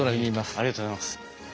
ありがとうございます。